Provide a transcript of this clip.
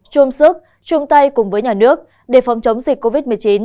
chôm sức chôm tay cùng với nhà nước để phòng chống dịch covid một mươi chín